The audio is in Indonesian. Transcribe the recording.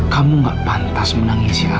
kamu gak pantas menangisi aksan aida